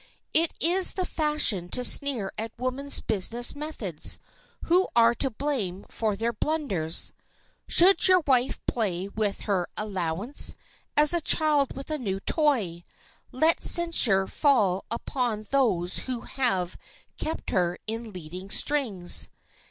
It is the fashion to sneer at women's business methods. Who are to blame for their blunders? [Sidenote: MONEY AS A TOY] Should your wife play with her allowance, as a child with a new toy, let censure fall upon those who have kept her in leading strings.